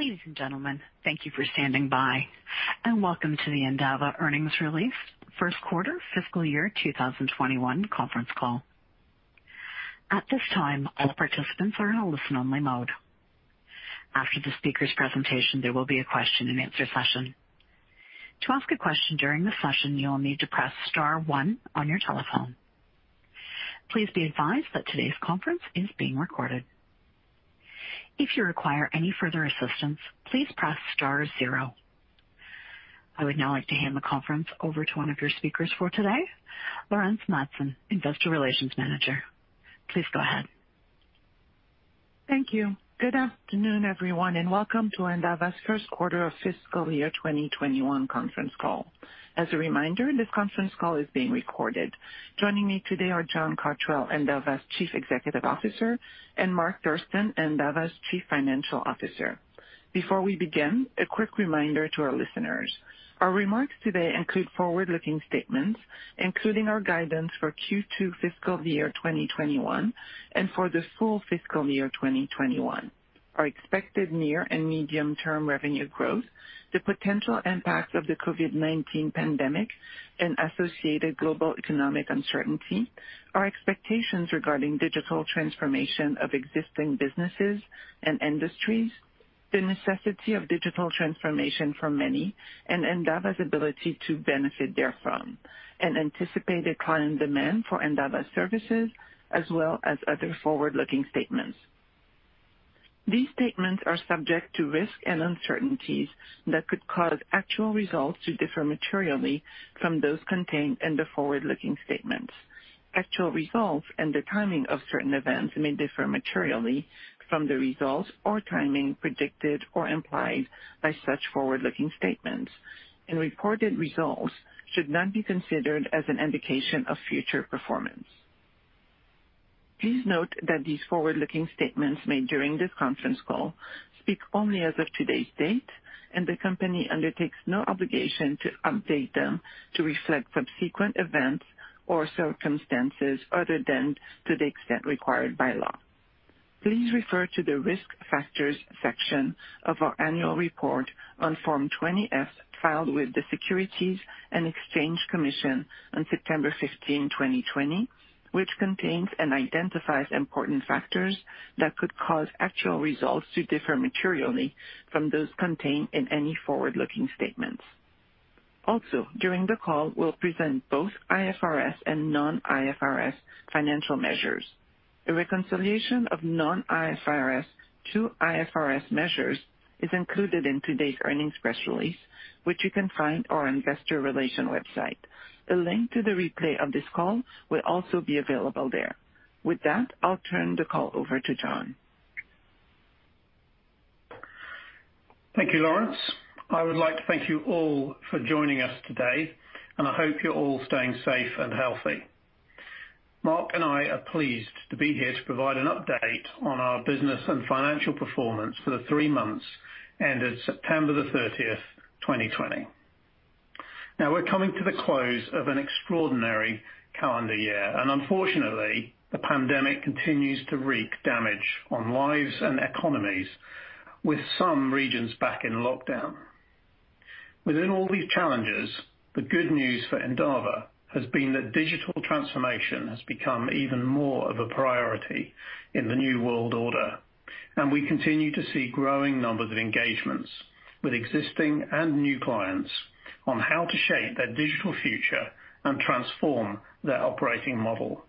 At this time, all participants are in a listen-only mode. After the speakers' presentation, there will be a question and answer session. To ask a question during the session, you will need to press star one on your telephone. Please be advised that today's conference is being recorded. If you require any further assistance, please press star zero. I would now like to hand the conference over to one of your speakers for today, Laurence Madsen, Investor Relations Manager. Please go ahead. Thank you. Good afternoon, everyone, and welcome to Endava's first quarter of fiscal year 2021 conference call. As a reminder, this conference call is being recorded. Joining me today are John Cotterell, Endava's Chief Executive Officer, and Mark Thurston, Endava's Chief Financial Officer. Before we begin, a quick reminder to our listeners. Our remarks today include forward-looking statements, including our guidance for Q2 fiscal year 2021 and for the full fiscal year 2021, our expected near and medium-term revenue growth, the potential impact of the COVID-19 pandemic and associated global economic uncertainty, our expectations regarding digital transformation of existing businesses and industries, the necessity of digital transformation for many, and Endava's ability to benefit therefrom, and anticipated client demand for Endava's services, as well as other forward-looking statements. These statements are subject to risks and uncertainties that could cause actual results to differ materially from those contained in the forward-looking statements. Actual results and the timing of certain events may differ materially from the results or timing predicted or implied by such forward-looking statements, and reported results should not be considered as an indication of future performance. Please note that these forward-looking statements made during this conference call speak only as of today's date, and the company undertakes no obligation to update them to reflect subsequent events or circumstances other than to the extent required by law. Please refer to the Risk Factors section of our annual report on Form 20-F filed with the Securities and Exchange Commission on September 15, 2020, which contains and identifies important factors that could cause actual results to differ materially from those contained in any forward-looking statements. Also, during the call, we'll present both IFRS and non-IFRS financial measures. A reconciliation of non-IFRS to IFRS measures is included in today's earnings press release, which you can find on our investor relations website. A link to the replay of this call will also be available there. With that, I'll turn the call over to John. Thank you, Laurence. I would like to thank you all for joining us today, and I hope you're all staying safe and healthy. Mark and I are pleased to be here to provide an update on our business and financial performance for the three months ended September the 30th, 2020. We're coming to the close of an extraordinary calendar year, and unfortunately, the pandemic continues to wreak damage on lives and economies, with some regions back in lockdown. Within all these challenges, the good news for Endava has been that digital transformation has become even more of a priority in the new world order, and we continue to see growing numbers of engagements with existing and new clients on how to shape their digital future and transform their operating model.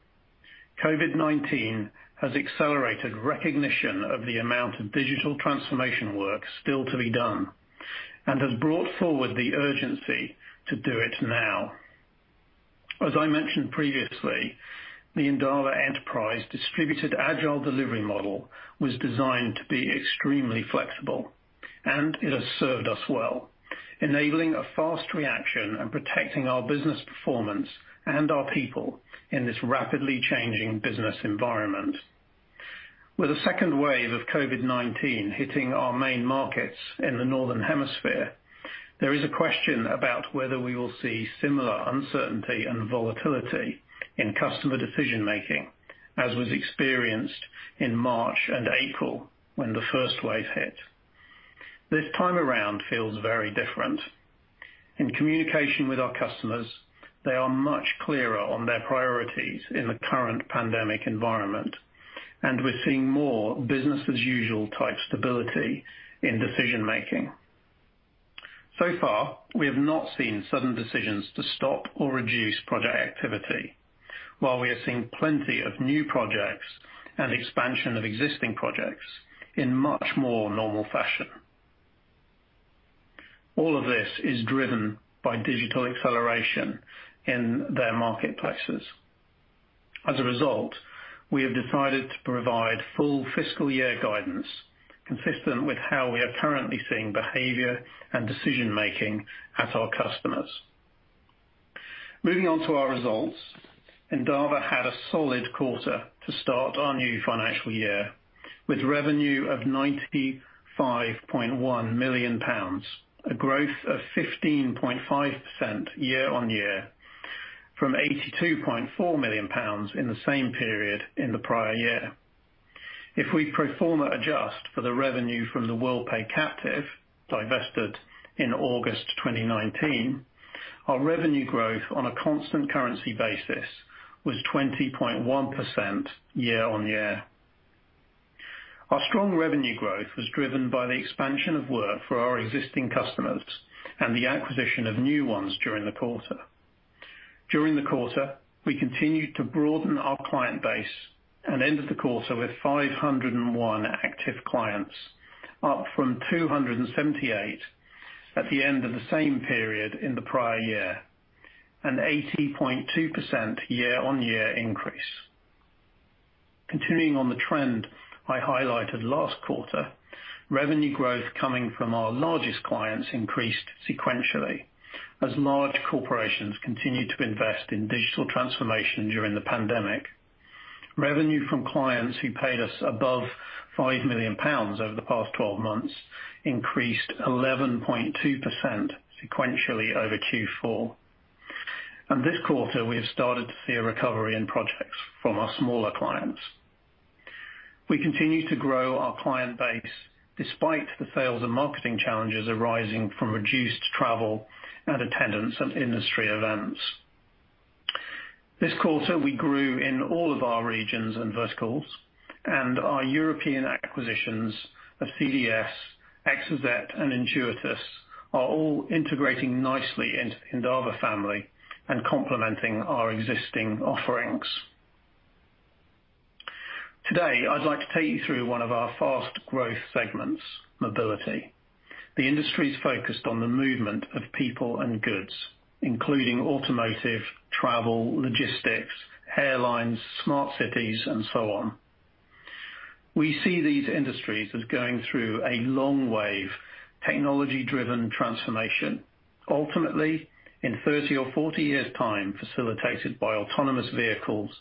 COVID-19 has accelerated recognition of the amount of digital transformation work still to be done and has brought forward the urgency to do it now. As I mentioned previously, the Endava Enterprise distributed agile delivery model was designed to be extremely flexible, and it has served us well, enabling a fast reaction and protecting our business performance and our people in this rapidly changing business environment. With a second wave of COVID-19 hitting our main markets in the Northern Hemisphere, there is a question about whether we will see similar uncertainty and volatility in customer decision-making as was experienced in March and April when the first wave hit. This time around feels very different. In communication with our customers, they are much clearer on their priorities in the current pandemic environment, and we're seeing more business-as-usual type stability in decision-making. So far, we have not seen sudden decisions to stop or reduce project activity, while we are seeing plenty of new projects and expansion of existing projects in much more normal fashion. All of this is driven by digital acceleration in their marketplaces. As a result, we have decided to provide full fiscal year guidance consistent with how we are currently seeing behavior and decision-making at our customers. Moving on to our results. Endava had a solid quarter to start our new financial year, with revenue of 95.1 million pounds, a growth of 15.5% year-on-year from 82.4 million pounds in the same period in the prior year. If we pro forma adjust for the revenue from the Worldpay captive divested in August 2019, our revenue growth on a constant currency basis was 20.1% year-on-year. Our strong revenue growth was driven by the expansion of work for our existing customers and the acquisition of new ones during the quarter. During the quarter, we continued to broaden our client base, and ended the quarter with 501 active clients, up from 278 at the end of the same period in the prior year, an 80.2% year-on-year increase. Continuing on the trend I highlighted last quarter, revenue growth coming from our largest clients increased sequentially as large corporations continued to invest in digital transformation during the pandemic. Revenue from clients who paid us above 5 million pounds over the past 12 months increased 11.2% sequentially over Q4. This quarter, we have started to see a recovery in projects from our smaller clients. We continue to grow our client base despite the sales and marketing challenges arising from reduced travel and attendance of industry events. This quarter, we grew in all of our regions and verticals. Our European acquisitions of CDS, Exozet, and Intuitus are all integrating nicely into the Endava family and complementing our existing offerings. Today, I'd like to take you through one of our fast growth segments, mobility. The industry's focused on the movement of people and goods, including automotive, travel, logistics, airlines, smart cities, and so on. We see these industries as going through a long wave, technology-driven transformation, ultimately, in 30 or 40 years' time, facilitated by autonomous vehicles,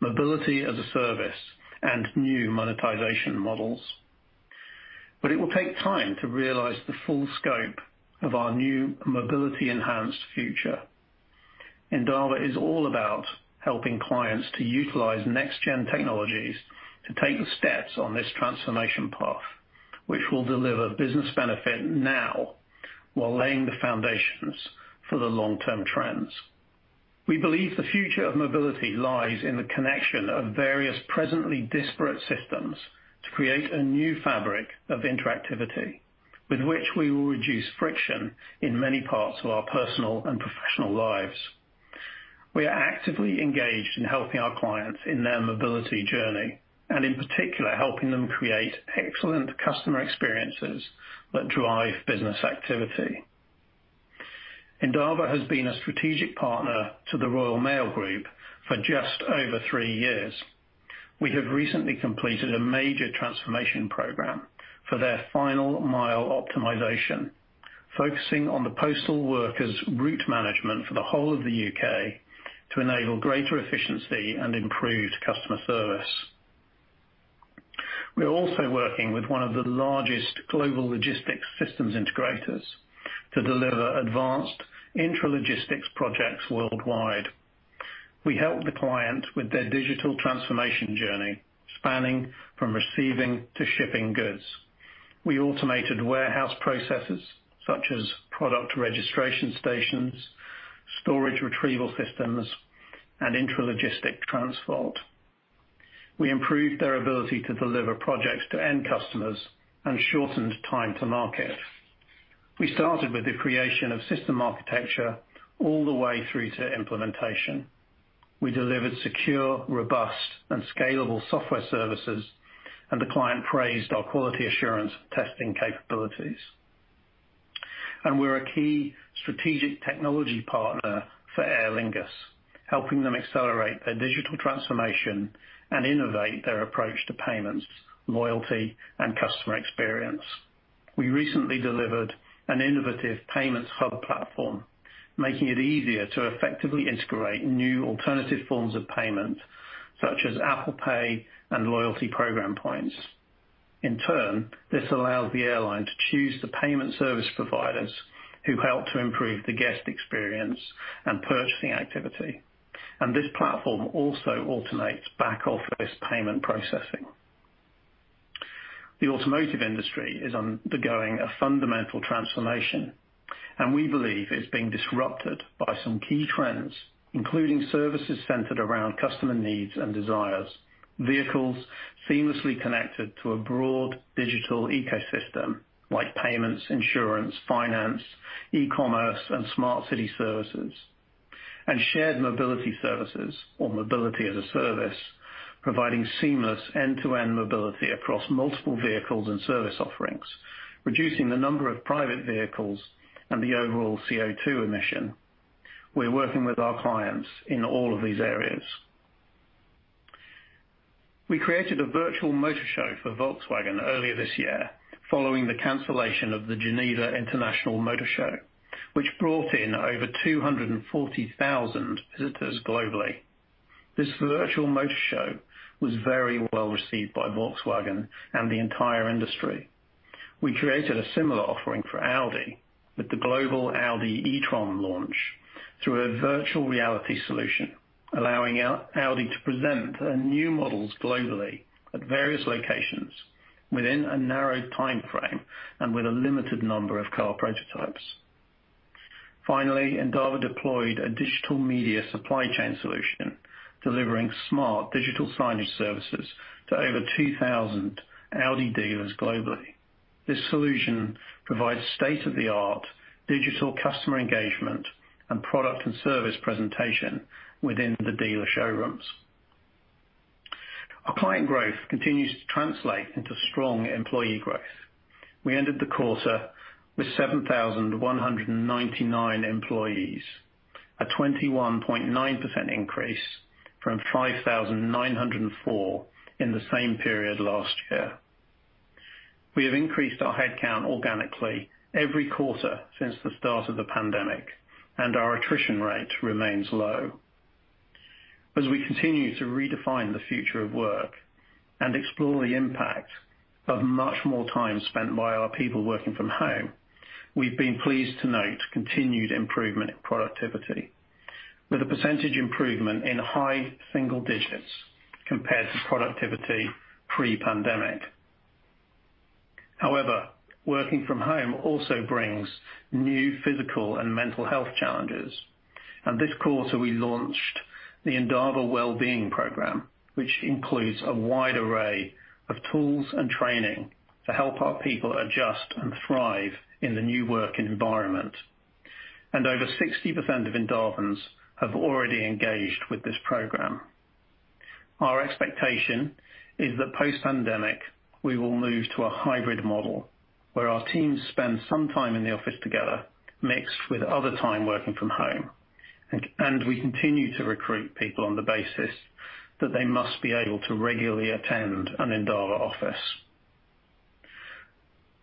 mobility as a service, and new monetization models. It will take time to realize the full scope of our new mobility-enhanced future. Endava is all about helping clients to utilize next-gen technologies to take the steps on this transformation path, which will deliver business benefit now, while laying the foundations for the long-term trends. We believe the future of mobility lies in the connection of various presently disparate systems to create a new fabric of interactivity with which we will reduce friction in many parts of our personal and professional lives. We are actively engaged in helping our clients in their mobility journey, and in particular, helping them create excellent customer experiences that drive business activity. Endava has been a strategic partner to the Royal Mail Group for just over three years. We have recently completed a major transformation program for their final mile optimization, focusing on the postal workers' route management for the whole of the U.K. to enable greater efficiency and improved customer service. We are also working with one of the largest global logistics systems integrators to deliver advanced intralogistics projects worldwide. We help the client with their digital transformation journey, spanning from receiving to shipping goods. We automated warehouse processes such as product registration stations, storage retrieval systems, and intralogistic transport. We improved their ability to deliver projects to end customers and shortened time to market. We started with the creation of system architecture all the way through to implementation. We delivered secure, robust, and scalable software services. The client praised our quality assurance testing capabilities. We're a key strategic technology partner for Aer Lingus, helping them accelerate their digital transformation and innovate their approach to payments, loyalty, and customer experience. We recently delivered an innovative payments hub platform, making it easier to effectively integrate new alternative forms of payment, such as Apple Pay and loyalty program points. In turn, this allows the airline to choose the payment service providers who help to improve the guest experience and purchasing activity. This platform also automates back office payment processing. The automotive industry is undergoing a fundamental transformation, and we believe it's being disrupted by some key trends, including services centered around customer needs and desires. Vehicles seamlessly connected to a broad digital ecosystem like payments, insurance, finance, e-commerce, and smart city services, and shared mobility services or mobility as a service, providing seamless end-to-end mobility across multiple vehicles and service offerings, reducing the number of private vehicles and the overall CO2 emission. We're working with our clients in all of these areas. We created a virtual motor show for Volkswagen earlier this year following the cancellation of the Geneva International Motor Show, which brought in over 240,000 visitors globally. This virtual motor show was very well received by Volkswagen and the entire industry. We created a similar offering for Audi with the global Audi e-tron launch through a virtual reality solution, allowing Audi to present their new models globally at various locations within a narrowed timeframe and with a limited number of car prototypes. Finally, Endava deployed a digital media supply chain solution delivering smart digital signage services to over 2,000 Audi dealers globally. This solution provides state-of-the-art digital customer engagement and product and service presentation within the dealer showrooms. Our client growth continues to translate into strong employee growth. We ended the quarter with 7,199 employees, a 21.9% increase from 5,904 in the same period last year. We have increased our head count organically every quarter since the start of the pandemic, and our attrition rate remains low. As we continue to redefine the future of work and explore the impact of much more time spent by our people working from home, we've been pleased to note continued improvement in productivity with a percentage improvement in high single digits compared to productivity pre-pandemic. Working from home also brings new physical and mental health challenges. This quarter, we launched the Endava Wellbeing Program, which includes a wide array of tools and training to help our people adjust and thrive in the new working environment. Over 60% of Endavans have already engaged with this program. Our expectation is that post-pandemic, we will move to a hybrid model where our teams spend some time in the office together, mixed with other time working from home. We continue to recruit people on the basis that they must be able to regularly attend an Endava office.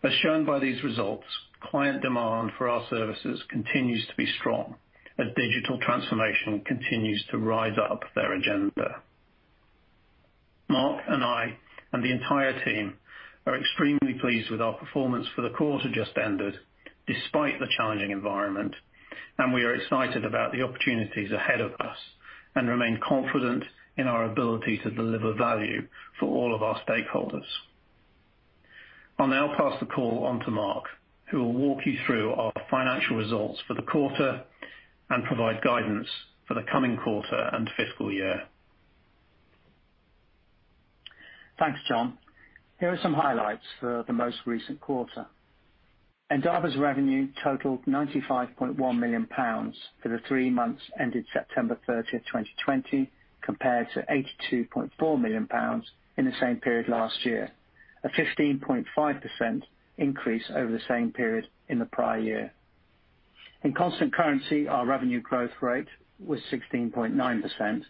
As shown by these results, client demand for our services continues to be strong as digital transformation continues to rise up their agenda. Mark and I, and the entire team, are extremely pleased with our performance for the quarter just ended despite the challenging environment. We are excited about the opportunities ahead of us and remain confident in our ability to deliver value for all of our stakeholders. I'll now pass the call on to Mark, who will walk you through our financial results for the quarter and provide guidance for the coming quarter and fiscal year. Thanks, John. Here are some highlights for the most recent quarter. Endava's revenue totaled GBP 95.1 million for the three months ended September 30th, 2020, compared to GBP 82.4 million in the same period last year, a 15.5% increase over the same period in the prior year. In constant currency, our revenue growth rate was 16.9%.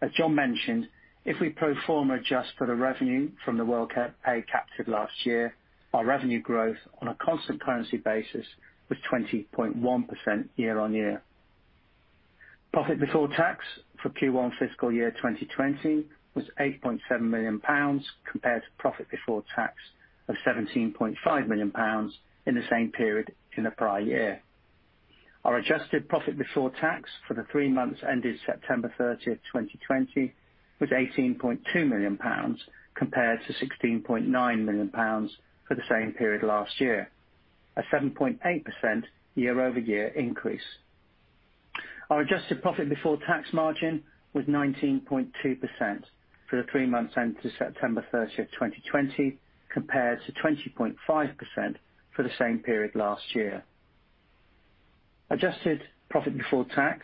As John mentioned, if we pro forma adjust for the revenue from the Worldpay captive last year, our revenue growth on a constant currency basis was 20.1% year-on-year. Profit before tax for Q1 fiscal year 2020 was 8.7 million pounds, compared to profit before tax of 17.5 million pounds in the same period in the prior year. Our adjusted profit before tax for the three months ended September 30th, 2020, was 18.2 million pounds, compared to 16.9 million pounds for the same period last year, a 7.8% year-over-year increase. Our adjusted profit before tax margin was 19.2% for the three months ended September 30th, 2020, compared to 20.5% for the same period last year. Adjusted profit before tax,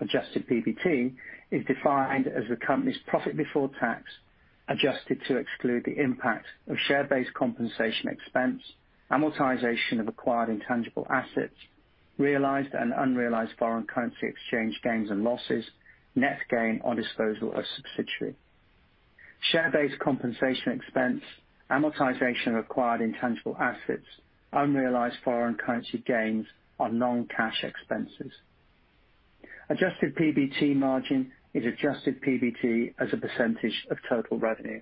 adjusted PBT, is defined as the company's profit before tax, adjusted to exclude the impact of share-based compensation expense, amortization of acquired intangible assets, realized and unrealized foreign currency exchange gains and losses, net gain on disposal of subsidiary. Share-based compensation expense, amortization of acquired intangible assets, unrealized foreign currency gains are non-cash expenses. Adjusted PBT margin is adjusted PBT as a percentage of total revenue.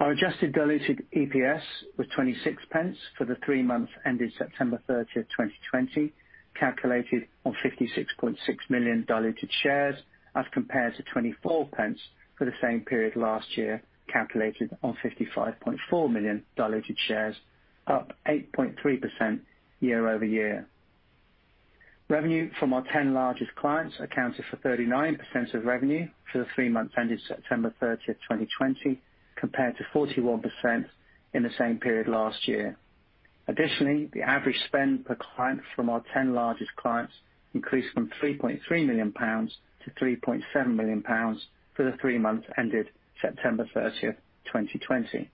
Our adjusted diluted EPS was 0.26 for the three months ended September 30th, 2020, calculated on 56.6 million diluted shares as compared to 0.24 for the same period last year, calculated on 55.4 million diluted shares, up 8.3% year-over-year. Revenue from our 10 largest clients accounted for 39% of revenue for the three months ended September 30th, 2020, compared to 41% in the same period last year. Additionally, the average spend per client from our 10 largest clients increased from 3.3 million pounds to 3.7 million pounds for the three months ended September 30th, 2020.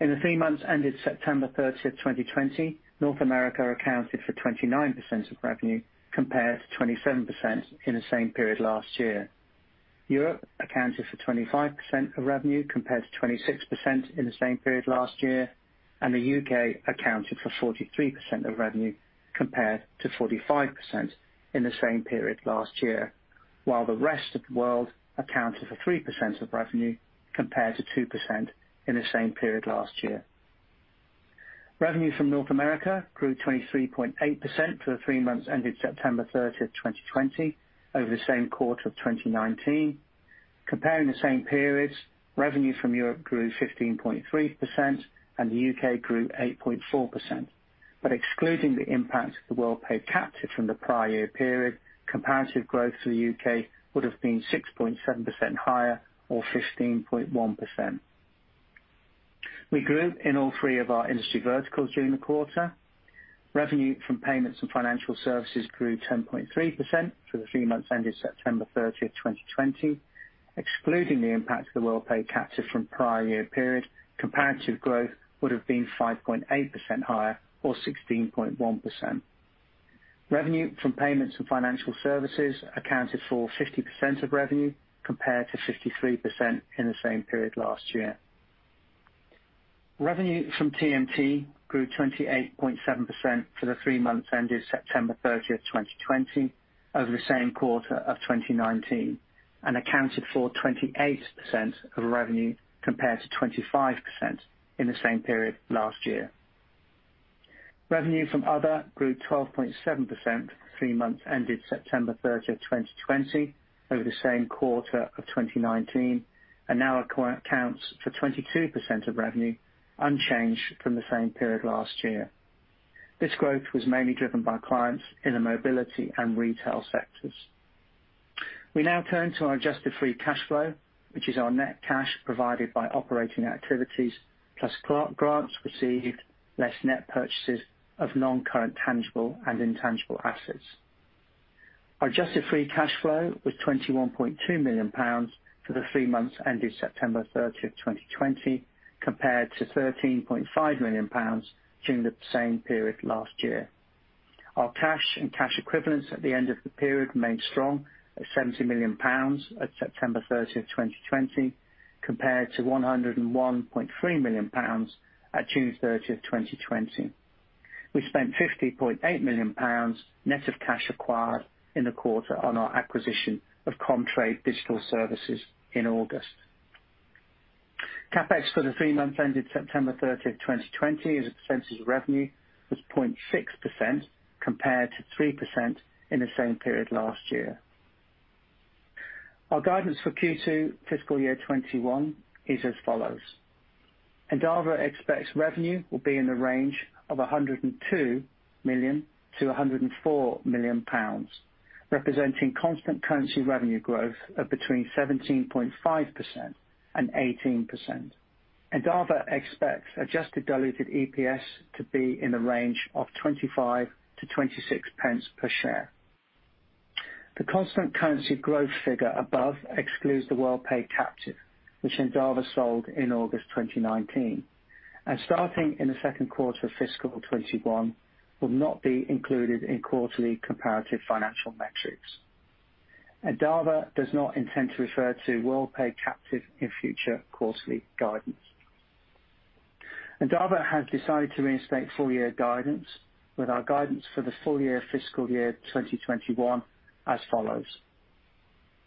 In the three months ended September 30th, 2020, North America accounted for 29% of revenue compared to 27% in the same period last year. Europe accounted for 25% of revenue, compared to 26% in the same period last year, and the U.K. accounted for 43% of revenue, compared to 45% in the same period last year. While the rest of the world accounted for 3% of revenue, compared to 2% in the same period last year. Revenue from North America grew 23.8% for the three months ended September 30th, 2020, over the same quarter of 2019. Comparing the same periods, revenue from Europe grew 15.3% and the U.K. grew 8.4%. Excluding the impact of the Worldpay captive from the prior year period, comparative growth for the U.K. would've been 6.7% higher or 15.1%. We grew in all three of our industry verticals during the quarter. Revenue from payments and financial services grew 10.3% for the three months ended September 30th, 2020. Excluding the impact of the Worldpay captive from prior year period, comparative growth would've been 5.8% higher or 16.1%. Revenue from payments and financial services accounted for 50% of revenue, compared to 53% in the same period last year. Revenue from TMT grew 28.7% for the three months ended September 30th, 2020, over the same quarter of 2019, and accounted for 28% of revenue, compared to 25% in the same period last year. Revenue from other grew 12.7% three months ended September 30th, 2020, over the same quarter of 2019, and now accounts for 22% of revenue, unchanged from the same period last year. This growth was mainly driven by clients in the mobility and retail sectors. We now turn to our adjusted free cash flow, which is our net cash provided by operating activities, plus grants received, less net purchases of non-current tangible and intangible assets. Our adjusted free cash flow was 21.2 million pounds for the three months ended September 30th, 2020, compared to 13.5 million pounds during the same period last year. Our cash and cash equivalents at the end of the period remained strong at 70 million pounds at September 30th, 2020, compared to 101.3 million pounds at June 30th, 2020. We spent 50.8 million pounds net of cash acquired in the quarter on our acquisition of Comtrade Digital Services in August. CapEx for the three months ended September 30th, 2020, as a percentage of revenue, was 0.6% compared to 3% in the same period last year. Our guidance for Q2 fiscal year 2021 is as follows. Endava expects revenue will be in the range of 102 million-104 million pounds, representing constant currency revenue growth of between 17.5% and 18%. Endava expects adjusted diluted EPS to be in the range of 0.25-0.26 per share. The constant currency growth figure above excludes the Worldpay captive, which Endava sold in August 2019, and starting in the second quarter of fiscal 2021, will not be included in quarterly comparative financial metrics. Endava does not intend to refer to Worldpay captive in future quarterly guidance. Endava has decided to reinstate full-year guidance, with our guidance for the full year of fiscal year 2021 as follows.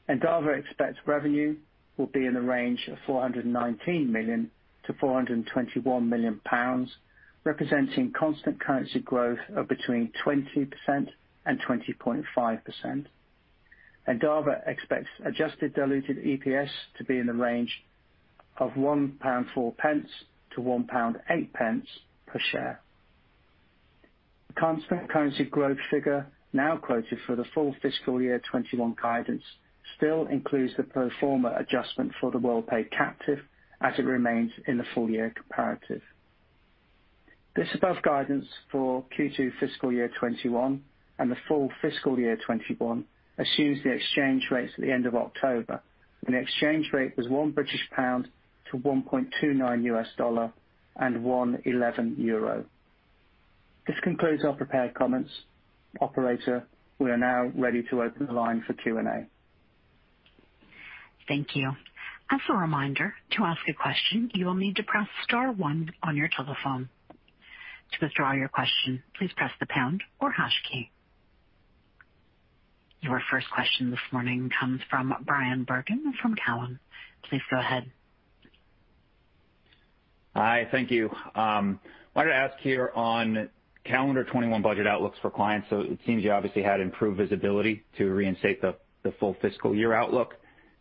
Endava expects revenue will be in the range of 419 million-421 million pounds, representing constant currency growth of between 20%-20.5%. Endava expects adjusted diluted EPS to be in the range of 1.04-1.08 pound per share. The constant currency growth figure now quoted for the full fiscal year 2021 guidance still includes the pro forma adjustment for the Worldpay captive, as it remains in the full-year comparative. This above guidance for Q2 fiscal year 2021, and the full fiscal year 2021, assumes the exchange rates at the end of October, when the exchange rate was one British pound to $1.29 and EUR 1.11. This concludes our prepared comments. Operator, we are now ready to open the line for Q&A. Thank you. As a reminder, to ask a question, you will need to press star one on your telephone. To withdraw your question, please press the pound or hash key. Your first question this morning comes from Bryan Bergin from Cowen. Please go ahead. Hi. Thank you. Wanted to ask here on calendar 2021 budget outlooks for clients. It seems you obviously had improved visibility to reinstate the full fiscal year outlook.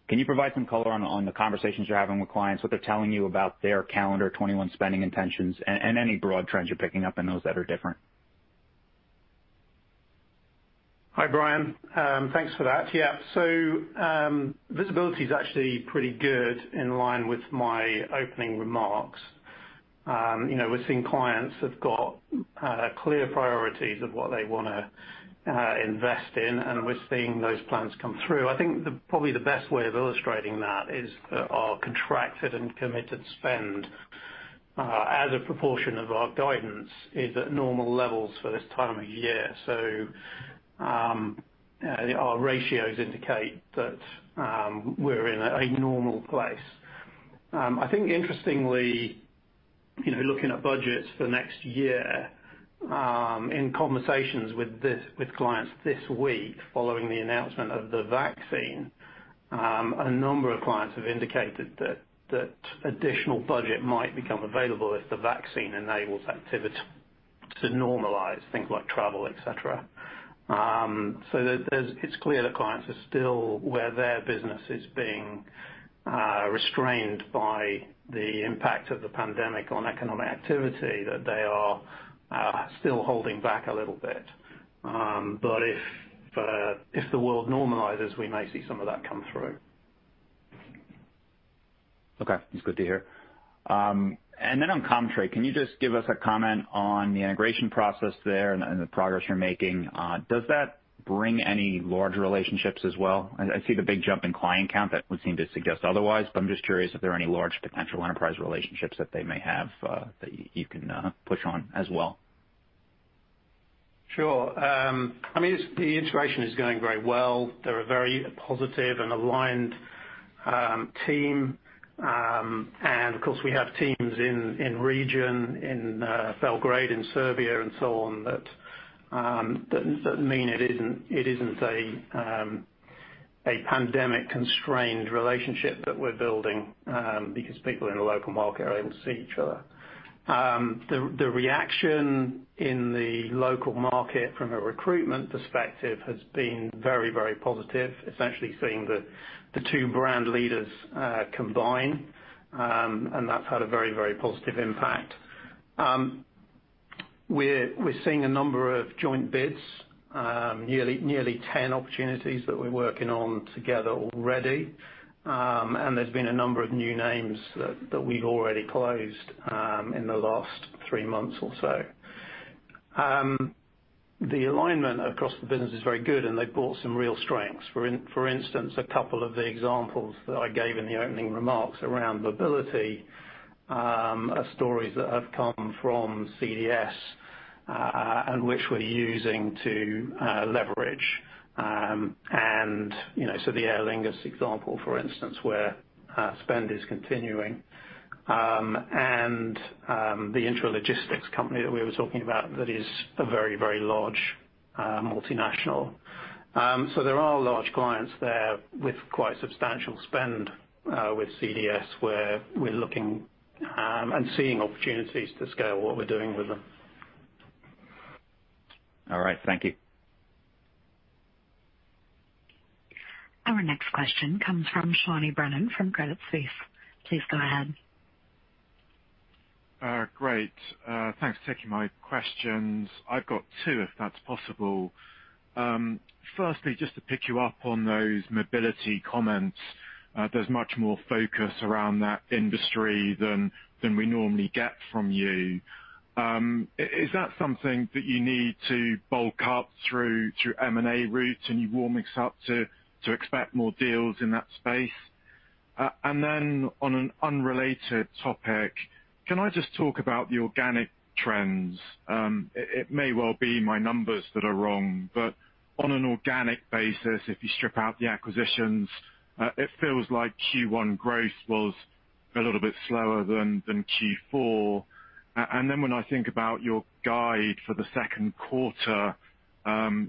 Can you provide some color on the conversations you're having with clients, what they're telling you about their calendar 2021 spending intentions, and any broad trends you're picking up in those that are different? Hi, Bryan. Thanks for that. Yeah. Visibility's actually pretty good, in line with my opening remarks. We're seeing clients have got clear priorities of what they want to invest in, and we're seeing those plans come through. I think probably the best way of illustrating that is our contracted and committed spend As a proportion of our guidance is at normal levels for this time of year. Our ratios indicate that we're in a normal place. I think interestingly, looking at budgets for next year, in conversations with clients this week following the announcement of the vaccine, a number of clients have indicated that additional budget might become available if the vaccine enables activity to normalize things like travel, et cetera. It's clear that clients are still where their business is being restrained by the impact of the pandemic on economic activity, that they are still holding back a little bit. If the world normalizes, we may see some of that come through. Okay. It's good to hear. On Comtrade, can you just give us a comment on the integration process there and the progress you're making? Does that bring any large relationships as well? I see the big jump in client count that would seem to suggest otherwise, but I'm just curious if there are any large potential enterprise relationships that they may have, that you can push on as well. Sure. The integration is going very well. They're a very positive and aligned team. Of course, we have teams in region, in Belgrade in Serbia, and so on, that mean it isn't a pandemic-constrained relationship that we're building, because people in the local market are able to see each other. The reaction in the local market from a recruitment perspective has been very positive. Essentially seeing the two brand leaders combine, and that's had a very positive impact. We're seeing a number of joint bids, nearly 10 opportunities that we're working on together already. There's been a number of new names that we've already closed in the last three months or so. The alignment across the business is very good, and they've brought some real strengths. For instance, a couple of the examples that I gave in the opening remarks around mobility, are stories that have come from CDS, which we're using to leverage. The Aer Lingus example, for instance, where spend is continuing, and the intralogistics company that we were talking about that is a very, very large multinational. There are large clients there with quite substantial spend with CDS, where we're looking and seeing opportunities to scale what we're doing with them. All right. Thank you. Our next question comes from Charles Brennan from Credit Suisse. Please go ahead. Great. Thanks for taking my questions. I've got two, if that's possible. Firstly, just to pick you up on those mobility comments. There's much more focus around that industry than we normally get from you. Is that something that you need to bulk up through your M&A route and you're warming us up to expect more deals in that space? On an unrelated topic, can I just talk about the organic trends? It may well be my numbers that are wrong, but on an organic basis, if you strip out the acquisitions, it feels like Q1 growth was a little bit slower than Q4. When I think about your guide for the second quarter,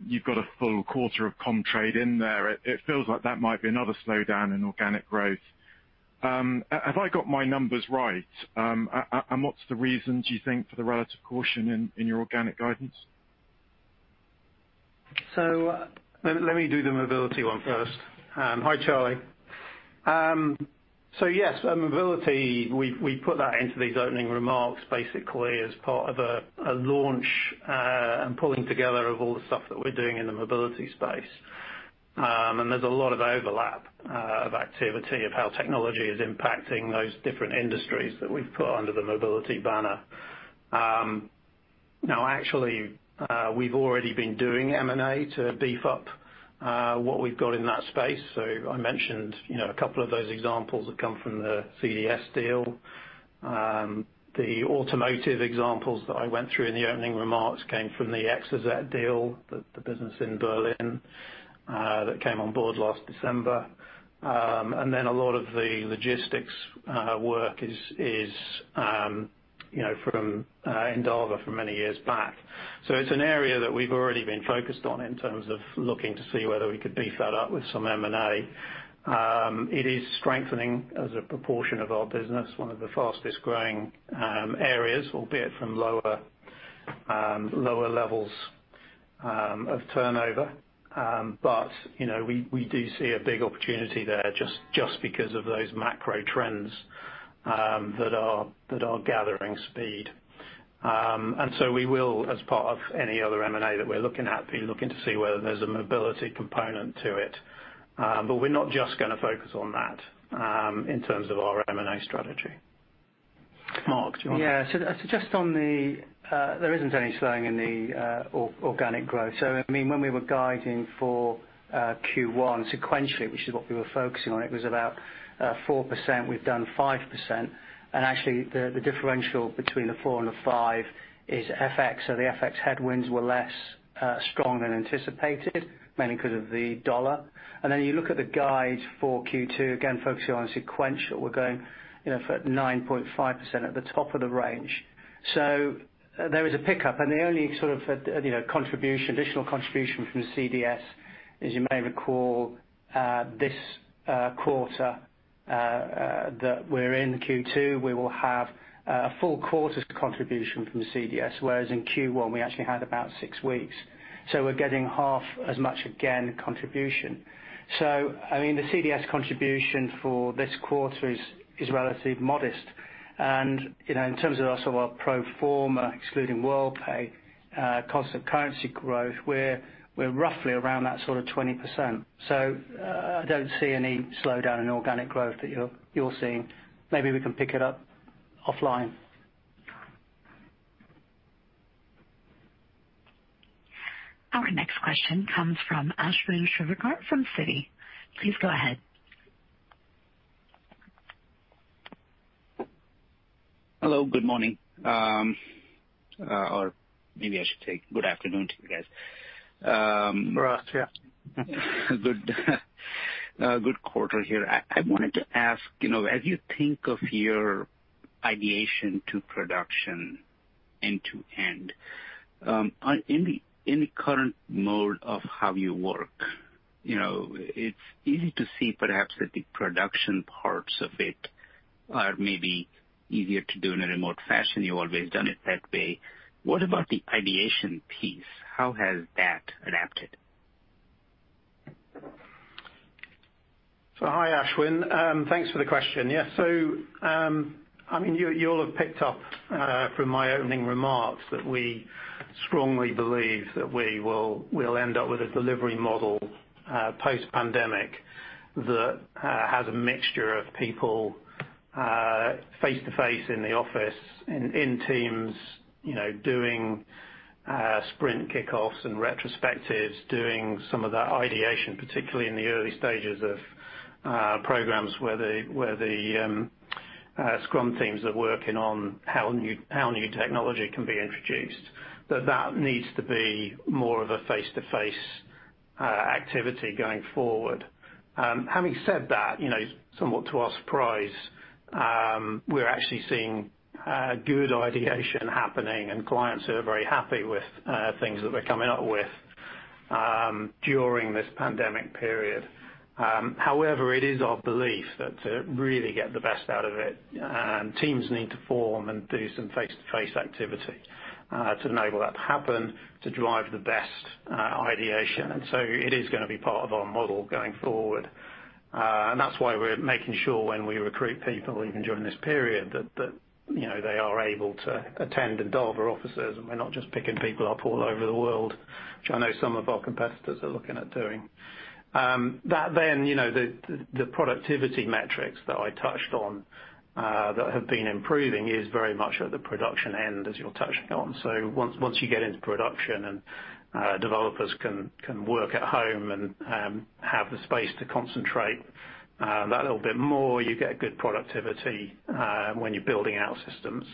you've got a full quarter of Comtrade in there. It feels like that might be another slowdown in organic growth. Have I got my numbers right? What's the reason, do you think, for the relative caution in your organic guidance? Let me do the mobility one first. Hi, Charlie. Yes, mobility, we put that into these opening remarks basically as part of a launch, and pulling together of all the stuff that we're doing in the mobility space. There's a lot of overlap of activity of how technology is impacting those different industries that we've put under the mobility banner. Actually, we've already been doing M&A to beef up what we've got in that space. I mentioned a couple of those examples that come from the CDS deal. The automotive examples that I went through in the opening remarks came from the Exozet deal, the business in Berlin, that came on board last December. Then a lot of the logistics work is from Endava from many years back. It's an area that we've already been focused on in terms of looking to see whether we could beef that up with some M&A. It is strengthening as a proportion of our business, one of the fastest-growing areas, albeit from lower levels of turnover. We do see a big opportunity there just because of those macro trends that are gathering speed. We will, as part of any other M&A that we're looking at, be looking to see whether there's a mobility component to it. We're not just going to focus on that in terms of our M&A strategy. Mark, do you want to- Yeah. There isn't any slowing in the organic growth. When we were guiding for Q1 sequentially, which is what we were focusing on, it was about 4%, we've done 5%. Actually, the differential between the 4% and the 5% is FX. The FX headwinds were less strong than anticipated, mainly because of the dollar. You look at the guide for Q2, again, focusing on sequential. We're going for 9.5% at the top of the range. There is a pickup, and the only additional contribution from CDS, as you may recall, this quarter that we're in, Q2, we will have a full quarter's contribution from CDS, whereas in Q1 we actually had about 6 weeks. We're getting half as much again contribution. The CDS contribution for this quarter is relatively modest. In terms of our pro forma, excluding Worldpay constant currency growth, we're roughly around that sort of 20%. I don't see any slowdown in organic growth that you're seeing. Maybe we can pick it up offline. Our next question comes from Ashwin Shirvaikar from Citi. Please go ahead. Hello, good morning. Maybe I should say good afternoon to you guys. For us, yeah. Good quarter here. I wanted to ask, as you think of your ideation to production end to end, in the current mode of how you work, it's easy to see perhaps that the production parts of it are maybe easier to do in a remote fashion. You've always done it that way. What about the ideation piece? How has that adapted? Hi, Ashwin. Thanks for the question. Yeah. You'll have picked up from my opening remarks that we strongly believe that we'll end up with a delivery model post-pandemic that has a mixture of people face-to-face in the office, in teams, doing sprint kickoffs and retrospectives, doing some of that ideation, particularly in the early stages of programs where the scrum teams are working on how new technology can be introduced. That needs to be more of a face-to-face activity going forward. Having said that, somewhat to our surprise, we're actually seeing good ideation happening, and clients who are very happy with things that we're coming up with, during this pandemic period. However, it is our belief that to really get the best out of it, teams need to form and do some face-to-face activity to enable that to happen, to drive the best ideation. It is going to be part of our model going forward. That's why we're making sure when we recruit people, even during this period, that they are able to attend Endava offices, and we're not just picking people up all over the world, which I know some of our competitors are looking at doing. The productivity metrics that I touched on that have been improving is very much at the production end, as you're touching on. Once you get into production and developers can work at home and have the space to concentrate that little bit more, you get good productivity when you're building out systems,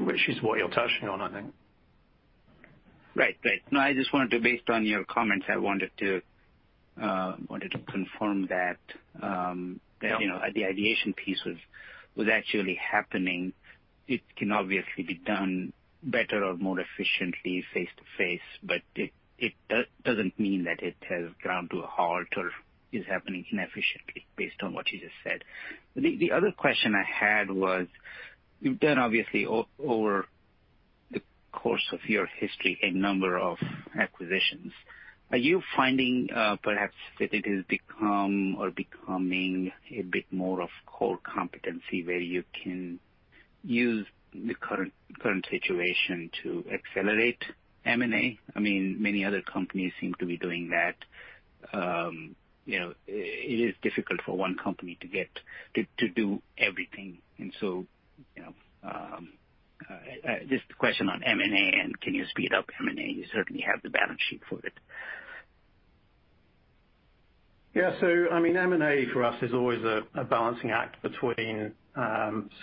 which is what you're touching on, I think. Right. No, based on your comments, I wanted to confirm that. Yeah the ideation piece was actually happening. It can obviously be done better or more efficiently face-to-face, but it doesn't mean that it has ground to a halt or is happening inefficiently, based on what you just said. The other question I had was, you've done obviously over the course of your history, a number of acquisitions. Are you finding perhaps that it has become or becoming a bit more of core competency, where you can use the current situation to accelerate M&A? Many other companies seem to be doing that. It is difficult for one company to do everything. Just a question on M&A and can you speed up M&A? You certainly have the balance sheet for it. Yeah. M&A for us is always a balancing act between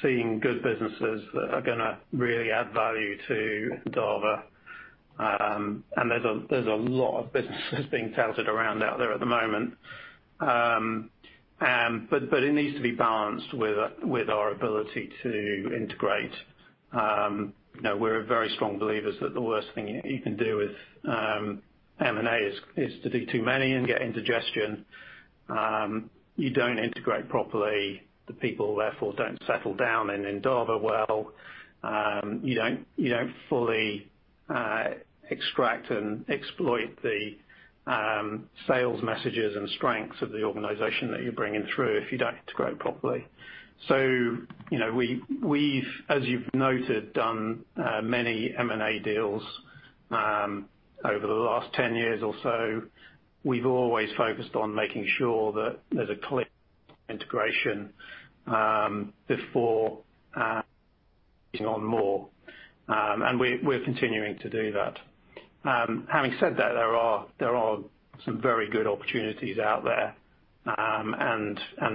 seeing good businesses that are going to really add value to Endava. There's a lot of businesses being touted around out there at the moment. It needs to be balanced with our ability to integrate. We're very strong believers that the worst thing you can do with M&A is to do too many and get indigestion. You don't integrate properly. The people therefore don't settle down in Endava well. You don't fully extract and exploit the sales messages and strengths of the organization that you're bringing through if you don't integrate properly. We've, as you've noted, done many M&A deals over the last 10 years or so. We've always focused on making sure that there's a clear integration before -on more. We're continuing to do that. Having said that, there are some very good opportunities out there.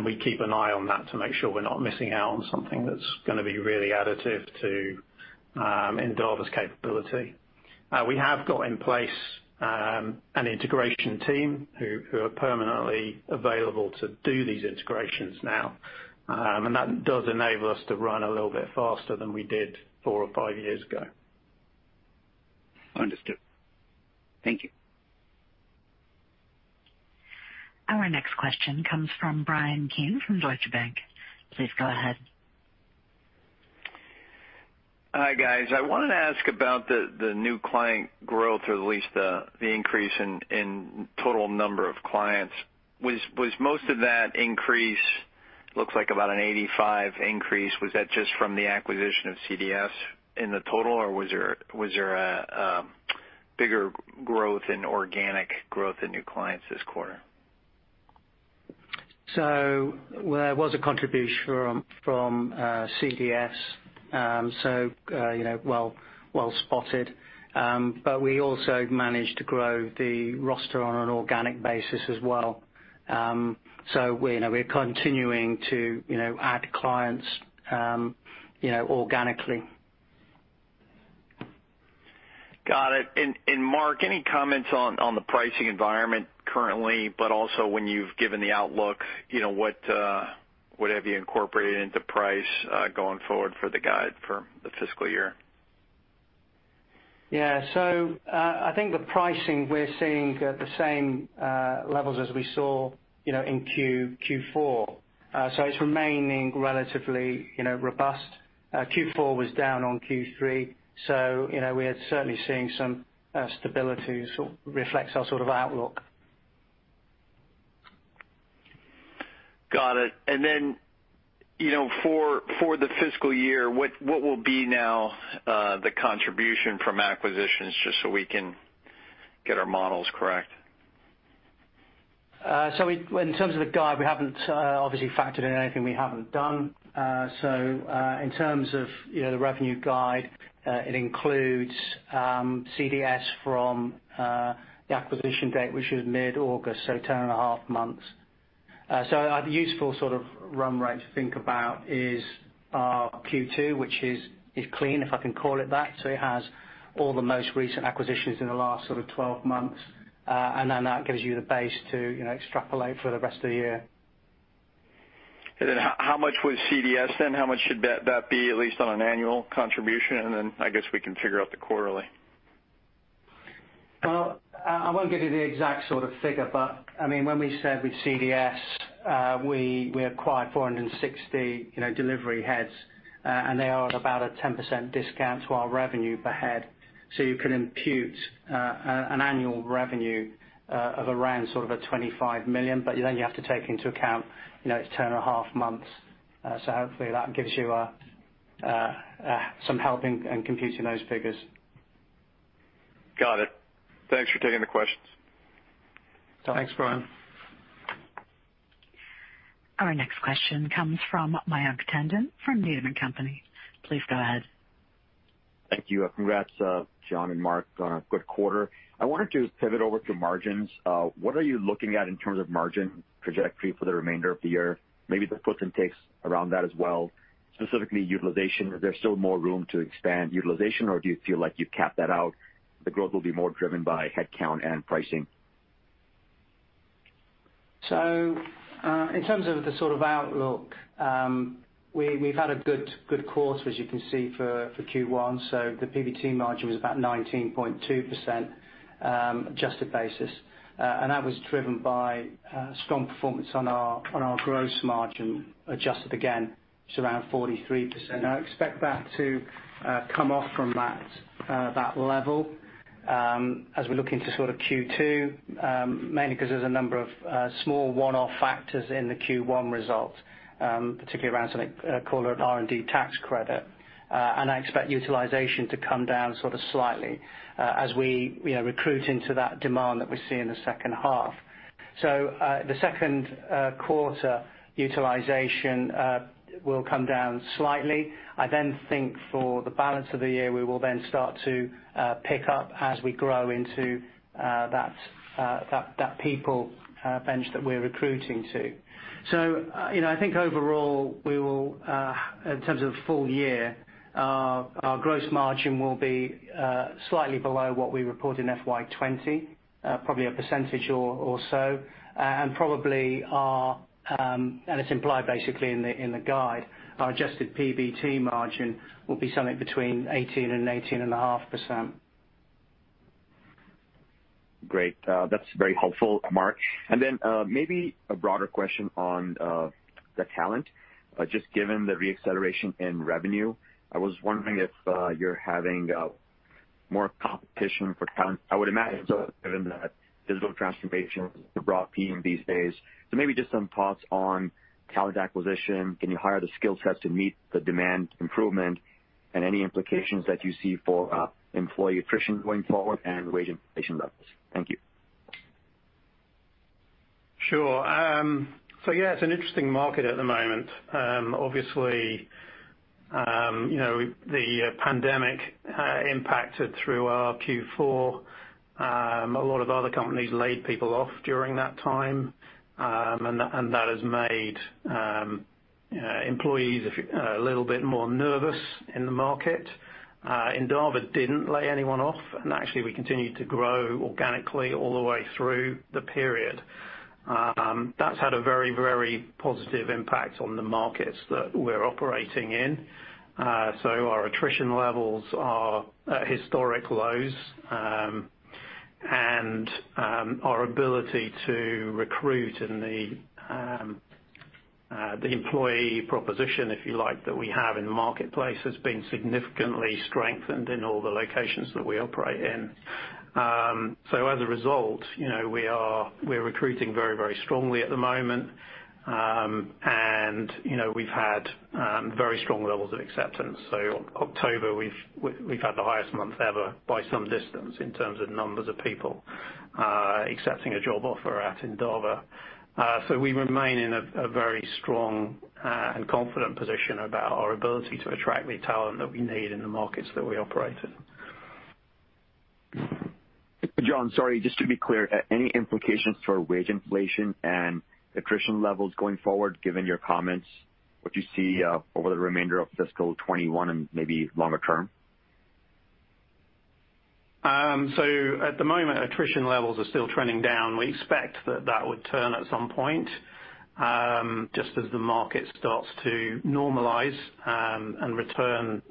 We keep an eye on that to make sure we're not missing out on something that's going to be really additive to Endava's capability. We have got in place an integration team who are permanently available to do these integrations now. That does enable us to run a little bit faster than we did four or five years ago. Understood. Thank you. Our next question comes from Bryan Keane from Deutsche Bank. Please go ahead. Hi, guys. I wanted to ask about the new client growth or at least the increase in total number of clients. Was most of that increase, looks like about an 85 increase, was that just from the acquisition of CDS in the total, or was there a bigger growth in organic growth in new clients this quarter? There was a contribution from CDS. Well spotted. We also managed to grow the roster on an organic basis as well. We're continuing to add clients organically. Got it. Mark, any comments on the pricing environment currently, but also when you've given the outlook, what have you incorporated into price going forward for the guide for the fiscal year? Yeah. I think the pricing we're seeing the same levels as we saw in Q4. It's remaining relatively robust. Q4 was down on Q3. We are certainly seeing some stability, sort of reflects our sort of outlook. Got it. Then, for the fiscal year, what will be now the contribution from acquisitions, just so we can get our models correct? In terms of the guide, we haven't obviously factored in anything we haven't done. In terms of the revenue guide, it includes CDS from the acquisition date, which was mid-August, 10 and a half months. A useful sort of run rate to think about is our Q2, which is clean, if I can call it that. It has all the most recent acquisitions in the last sort of 12 months, that gives you the base to extrapolate for the rest of the year. How much was CDS then? How much should that be, at least on an annual contribution? I guess we can figure out the quarterly. Well, I won't give you the exact sort of figure, but I mean, when we said with CDS, we acquired 460 delivery heads. They are at about a 10% discount to our revenue per head. You can impute an annual revenue of around sort of a 25 million. You have to take into account it's 10 and a half months. Hopefully that gives you some help in computing those figures. Got it. Thanks for taking the questions. Thanks, Bryan. Our next question comes from Mayank Tandon from Needham & Company. Please go ahead. Thank you. Congrats, John and Mark, on a good quarter. I wanted to pivot over to margins. What are you looking at in terms of margin trajectory for the remainder of the year? Maybe the puts and takes around that as well. Specifically utilization, is there still more room to expand utilization, or do you feel like you've capped that out? The growth will be more driven by headcount and pricing. In terms of the sort of outlook, we've had a good quarter, as you can see for Q1. The PBT margin was about 19.2%, adjusted basis. That was driven by strong performance on our gross margin, adjusted again to around 43%. I expect that to come off from that level as we look into sort of Q2, mainly because there's a number of small one-off factors in the Q1 result, particularly around something called an R&D tax credit. I expect utilization to come down sort of slightly as we recruit into that demand that we see in the second half. The second quarter utilization will come down slightly. For the balance of the year, we will then start to pick up as we grow into that people bench that we're recruiting to. I think overall, we will, in terms of full year, our gross margin will be slightly below what we report in FY 2020, probably a percentage or so. Probably, and it's implied basically in the guide, our adjusted PBT margin will be something between 18% and 18.5%. Great. That's very helpful, Mark Thurston. Then maybe a broader question on the talent. Just given the re-acceleration in revenue, I was wondering if you're having more competition for talent. I would imagine so, given that digital transformation is the broad theme these days. Maybe just some thoughts on talent acquisition. Can you hire the skill sets to meet the demand improvement, and any implications that you see for employee attrition going forward and wage inflation levels? Thank you. Sure. Yeah, it's an interesting market at the moment. Obviously, the pandemic impacted through our Q4. A lot of other companies laid people off during that time, and that has made employees a little bit more nervous in the market. Endava didn't lay anyone off, and actually, we continued to grow organically all the way through the period. That's had a very positive impact on the markets that we're operating in. Our attrition levels are at historic lows, and our ability to recruit in the employee proposition, if you like, that we have in the marketplace, has been significantly strengthened in all the locations that we operate in. As a result, we're recruiting very strongly at the moment. We've had very strong levels of acceptance. October, we've had the highest month ever by some distance in terms of numbers of people accepting a job offer at Endava. We remain in a very strong and confident position about our ability to attract the talent that we need in the markets that we operate in. John, sorry, just to be clear, any implications for wage inflation and attrition levels going forward, given your comments? What do you see over the remainder of fiscal 2021 and maybe longer term? At the moment, attrition levels are still trending down. We expect that that would turn at some point, just as the market starts to normalize and return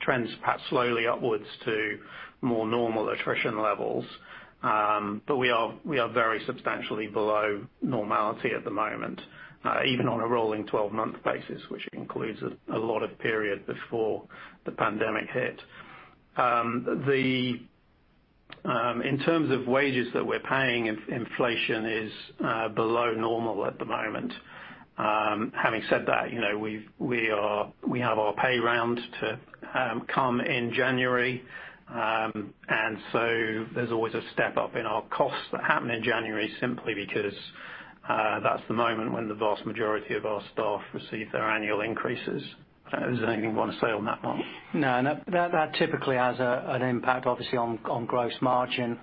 trends perhaps slowly upwards to more normal attrition levels. We are very substantially below normality at the moment, even on a rolling 12-month basis, which includes a lot of period before the pandemic hit. In terms of wages that we're paying, inflation is below normal at the moment. Having said that, we have our pay round to come in January. There's always a step up in our costs that happen in January simply because that's the moment when the vast majority of our staff receive their annual increases. Is there anything you want to say on that, Mark? No, that typically has an impact, obviously, on gross margin.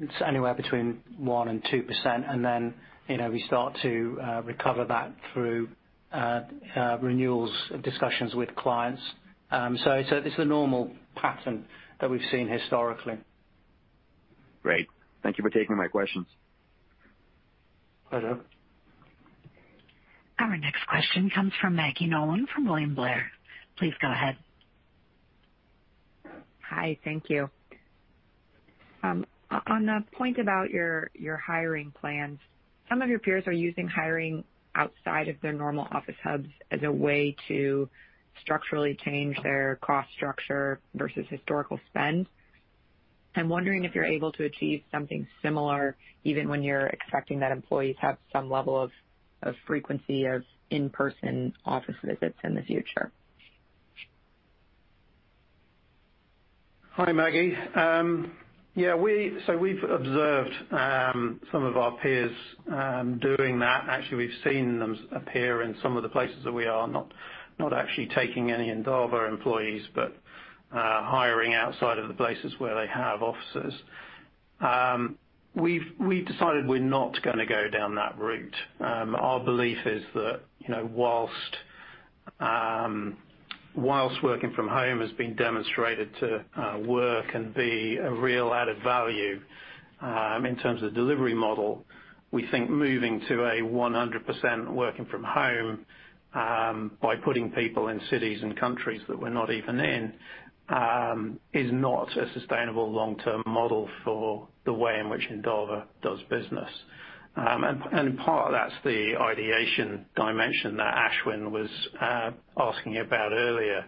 It's anywhere between 1% and 2%, and then we start to recover that through renewals discussions with clients. It's a normal pattern that we've seen historically. Great. Thank you for taking my questions. Pleasure. Our next question comes from Maggie Nolan from William Blair. Please go ahead. Hi. Thank you. On the point about your hiring plans, some of your peers are using hiring outside of their normal office hubs as a way to structurally change their cost structure versus historical spend. I'm wondering if you're able to achieve something similar, even when you're expecting that employees have some level of frequency of in-person office visits in the future. Hi, Maggie. Yeah, we've observed some of our peers doing that. Actually, we've seen them appear in some of the places that we are, not actually taking any Endava employees, but hiring outside of the places where they have offices. We've decided we're not going to go down that route. Our belief is that whilst working from home has been demonstrated to work and be a real added value in terms of delivery model, we think moving to a 100% working from home, by putting people in cities and countries that we're not even in, is not a sustainable long-term model for the way in which Endava does business. In part, that's the ideation dimension that Ashwin was asking about earlier.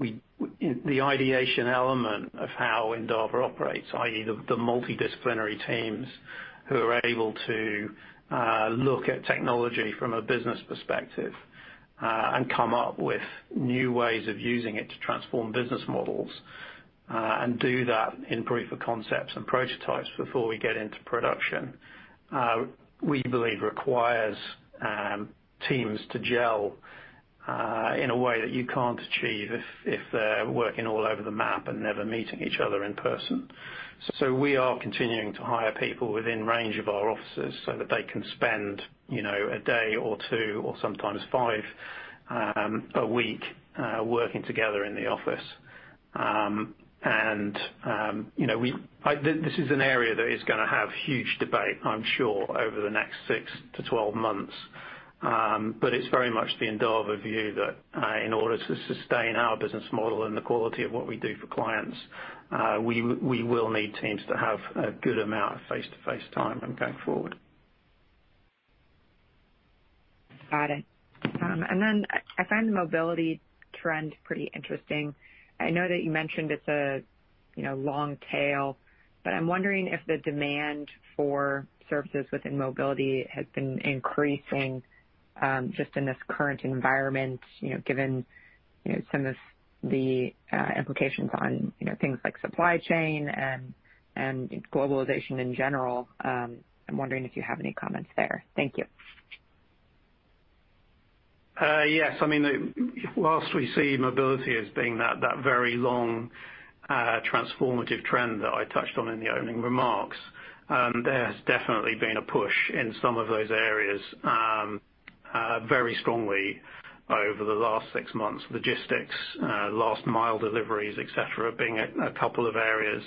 The ideation element of how Endava operates, i.e., the multidisciplinary teams who are able to look at technology from a business perspective and come up with new ways of using it to transform business models, and do that in proof of concepts and prototypes before we get into production, we believe requires teams to gel in a way that you can't achieve if they're working all over the map and never meeting each other in person. We are continuing to hire people within range of our offices so that they can spend a day or two, or sometimes five, a week working together in the office. This is an area that is going to have huge debate, I'm sure, over the next 6 to 12 months. It's very much the Endava view that in order to sustain our business model and the quality of what we do for clients, we will need teams to have a good amount of face-to-face time going forward. Got it. I find the mobility trend pretty interesting. I know that you mentioned it's a long tail, but I'm wondering if the demand for services within mobility has been increasing. Just in this current environment, given some of the implications on things like supply chain and globalization in general, I'm wondering if you have any comments there. Thank you. Yes. Whilst we see mobility as being that very long transformative trend that I touched on in the opening remarks, there has definitely been a push in some of those areas very strongly over the last six months. Logistics, last mile deliveries, et cetera, being a couple of areas.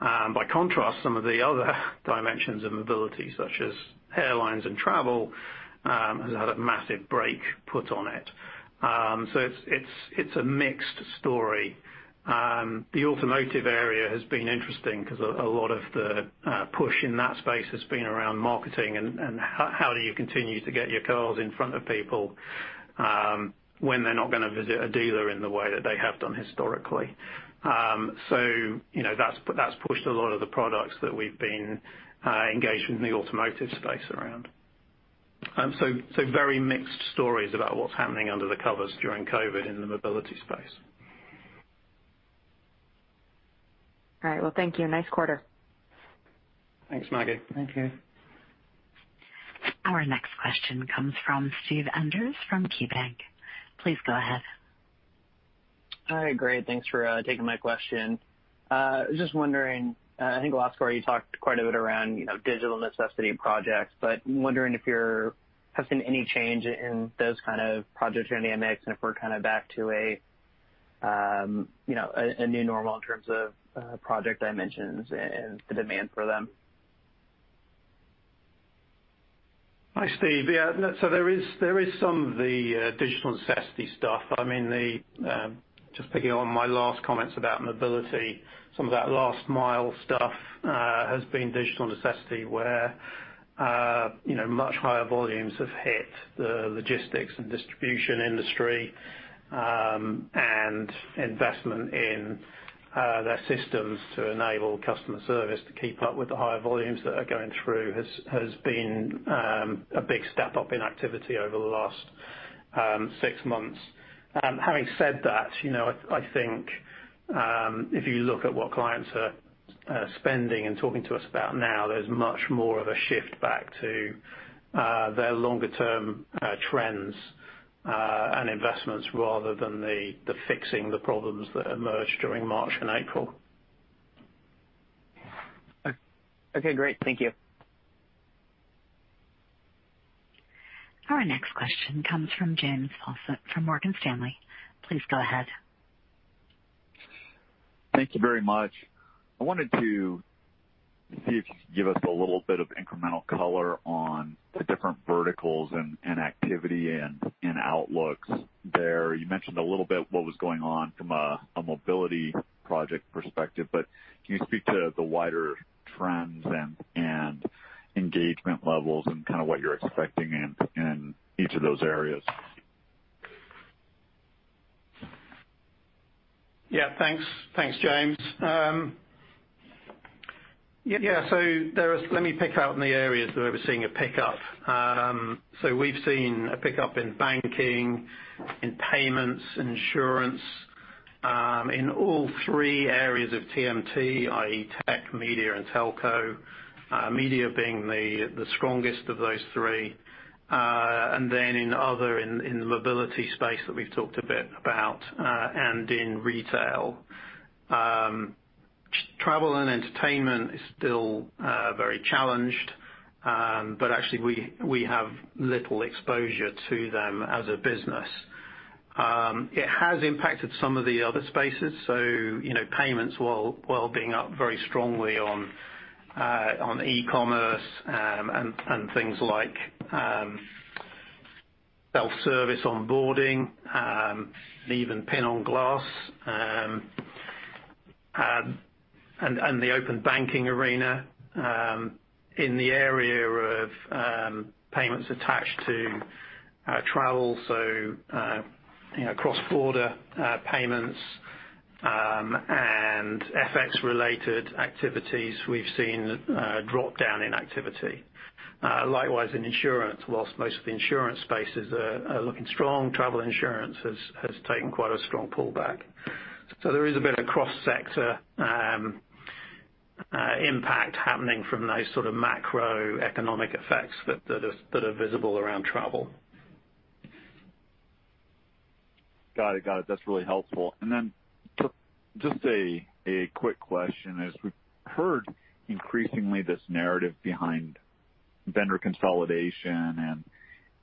By contrast, some of the other dimensions of mobility, such as airlines and travel, has had a massive brake put on it. It's a mixed story. The automotive area has been interesting because a lot of the push in that space has been around marketing, and how do you continue to get your cars in front of people, when they're not going to visit a dealer in the way that they have done historically. That's pushed a lot of the products that we've been engaged with in the automotive space around. Very mixed stories about what's happening under the covers during COVID in the mobility space. All right. Well, thank you. Nice quarter. Thanks, Maggie. Thank you. Our next question comes from Steve Enders from KeyBanc. Please go ahead. All right. Great. Thanks for taking my question. I was just wondering, I think last quarter you talked quite a bit around digital necessity projects, but I'm wondering if you have seen any change in those kind of project dynamics and if we're kind of back to a new normal in terms of project dimensions and the demand for them. Hi, Steve. Yeah. There is some of the digital necessity stuff. Just picking on my last comments about mobility, some of that last mile stuff has been digital necessity where much higher volumes have hit the logistics and distribution industry, and investment in their systems to enable customer service to keep up with the higher volumes that are going through has been a big step-up in activity over the last six months. Having said that, I think, if you look at what clients are spending and talking to us about now, there's much more of a shift back to their longer-term trends and investments rather than the fixing the problems that emerged during March and April. Okay, great. Thank you. Our next question comes from James Faucette from Morgan Stanley. Please go ahead. Thank you very much. I wanted to see if you could give us a little bit of incremental color on the different verticals and activity and outlooks there. You mentioned a little bit what was going on from a mobility project perspective, but can you speak to the wider trends and engagement levels and kind of what you're expecting in each of those areas? Yeah. Thanks, James. Let me pick out in the areas where we're seeing a pickup. We've seen a pickup in banking, in payments, insurance, in all three areas of TMT, i.e. tech, media, and telco. Media being the strongest of those three. In other, in the mobility space that we've talked a bit about, and in retail. Travel and entertainment is still very challenged. Actually we have little exposure to them as a business. It has impacted some of the other spaces. Payments, while being up very strongly on e-commerce, and things like self-service onboarding, even PIN on Glass, and the open banking arena. In the area of payments attached to travel, so cross-border payments, and FX-related activities, we've seen a drop-down in activity. Likewise, in insurance, whilst most of the insurance spaces are looking strong, travel insurance has taken quite a strong pullback. There is a bit of cross-sector impact happening from those sort of macroeconomic effects that are visible around travel. Got it. That's really helpful. Then just a quick question. As we've heard, increasingly, this narrative behind vendor consolidation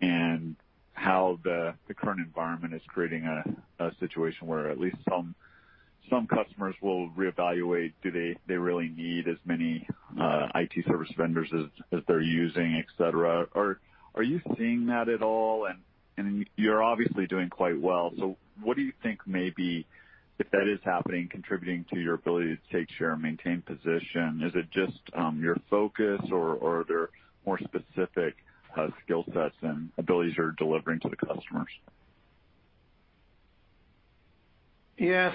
and how the current environment is creating a situation where at least some customers will reevaluate, do they really need as many IT service vendors as they're using, et cetera. Are you seeing that at all? You're obviously doing quite well, so what do you think may be, if that is happening, contributing to your ability to take share and maintain position? Is it just your focus or are there more specific skill sets and abilities you're delivering to the customers? Yeah.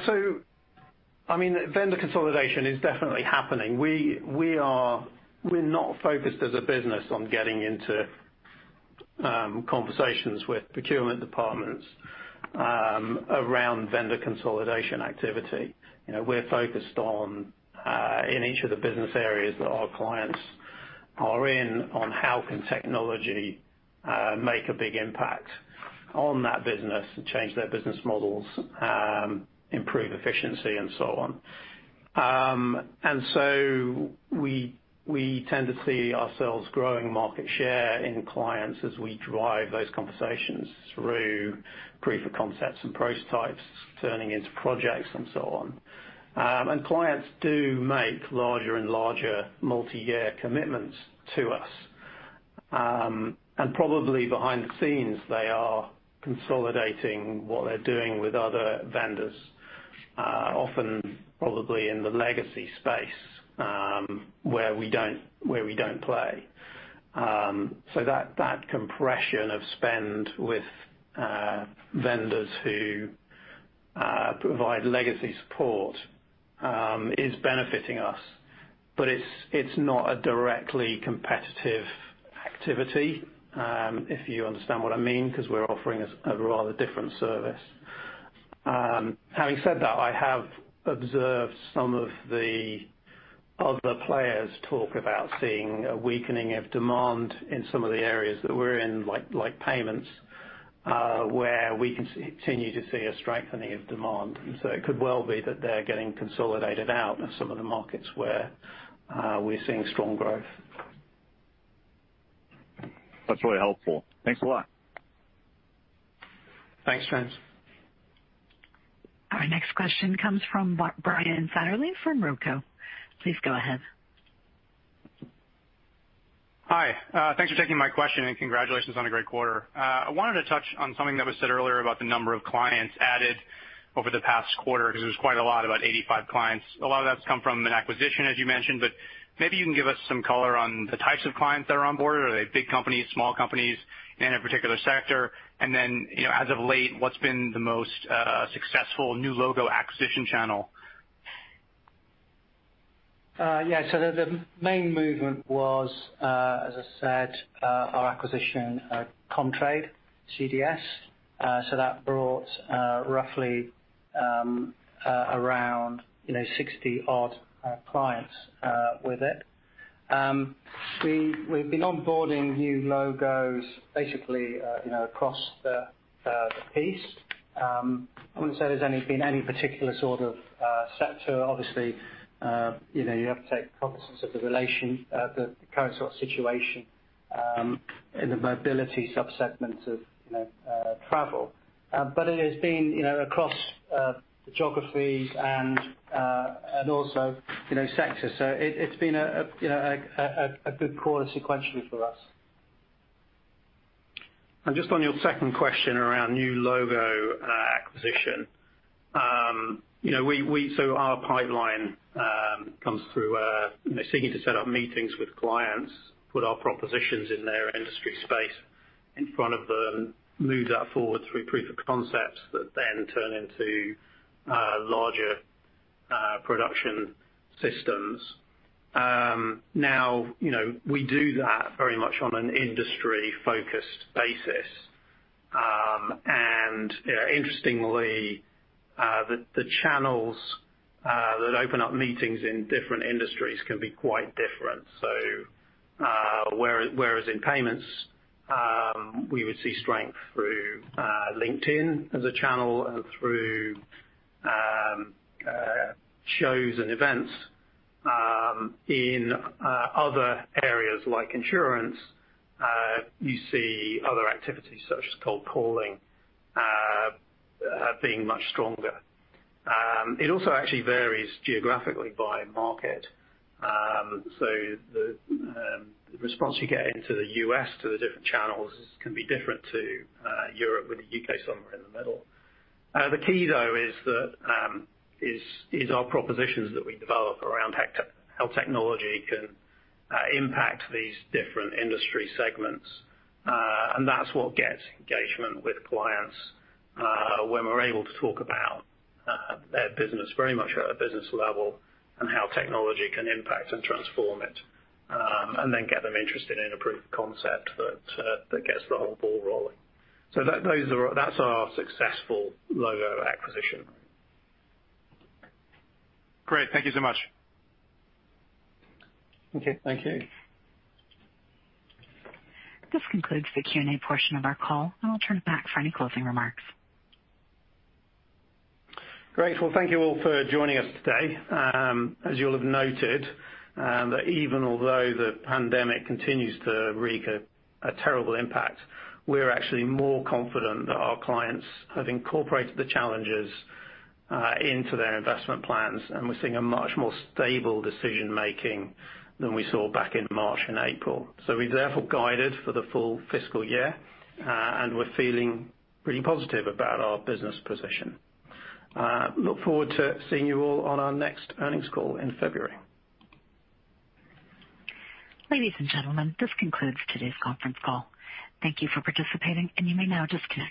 Vendor consolidation is definitely happening. We're not focused as a business on getting into conversations with procurement departments around vendor consolidation activity. We're focused on, in each of the business areas that our clients are in, on how can technology make a big impact on that business to change their business models, improve efficiency, and so on. We tend to see ourselves growing market share in clients as we drive those conversations through proof of concepts and prototypes, turning into projects and so on. Clients do make larger and larger multi-year commitments to us. Probably behind the scenes, they are consolidating what they're doing with other vendors, often probably in the legacy space, where we don't play. That compression of spend with vendors who provide legacy support is benefiting us. It's not a directly competitive activity, if you understand what I mean, because we're offering a rather different service. Having said that, I have observed some of the other players talk about seeing a weakening of demand in some of the areas that we're in, like payments, where we continue to see a strengthening of demand. It could well be that they're getting consolidated out in some of the markets where we're seeing strong growth. That's really helpful. Thanks a lot. Thanks, James. Our next question comes from Brian Satterly from [RoCo]. Please go ahead. Hi. Thanks for taking my question, and congratulations on a great quarter. I wanted to touch on something that was said earlier about the number of clients added over the past quarter, because it was quite a lot, about 85 clients. A lot of that's come from an acquisition, as you mentioned, but maybe you can give us some color on the types of clients that are onboarded. Are they big companies, small companies in a particular sector? Then, as of late, what's been the most successful new logo acquisition channel? Yeah. The main movement was, as I said, our acquisition of Comtrade, CDS. That brought roughly around 60-odd clients with it. We've been onboarding new logos basically across the piece. I wouldn't say there's been any particular sort of sector. Obviously, you have to take cognizance of the relation, the current sort of situation in the mobility sub-segment of travel. It has been across the geographies and also sectors. It's been a good quarter sequentially for us. Just on your second question around new logo acquisition. Our pipeline comes through seeking to set up meetings with clients, put our propositions in their industry space in front of them, move that forward through proof of concepts that then turn into larger production systems. Now, we do that very much on an industry-focused basis. Interestingly, the channels that open up meetings in different industries can be quite different. Whereas in payments, we would see strength through LinkedIn as a channel and through shows and events. In other areas like insurance, you see other activities such as cold calling being much stronger. It also actually varies geographically by market. The response you get into the U.S. to the different channels can be different to Europe, with the U.K. somewhere in the middle. The key, though, is our propositions that we develop around how technology can impact these different industry segments, and that's what gets engagement with clients, when we're able to talk about their business very much at a business level and how technology can impact and transform it, and then get them interested in a proof of concept that gets the whole ball rolling. That's our successful logo acquisition. Great. Thank you so much. Okay. Thank you. This concludes the Q&A portion of our call. I'll turn it back for any closing remarks. Great. Well, thank you all for joining us today. As you'll have noted, that even although the pandemic continues to wreak a terrible impact, we're actually more confident that our clients have incorporated the challenges into their investment plans, and we're seeing a much more stable decision-making than we saw back in March and April. We've therefore guided for the full fiscal year, and we're feeling pretty positive about our business position. Look forward to seeing you all on our next earnings call in February. Ladies and gentlemen, this concludes today's conference call. Thank you for participating, and you may now disconnect.